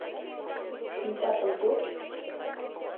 Шинчатым турж!